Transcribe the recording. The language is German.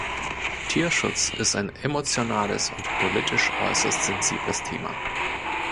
Tierschutz ist ein emotionales und politisch äußerst sensibles Thema.